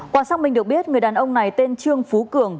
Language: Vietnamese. quả sắc mình được biết người đàn ông này tên trương phú cường